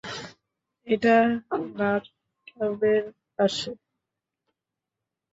এটা বাথটাবের পাশে।